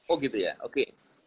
oh gitu ya oke